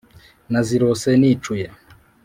nazirose nicuye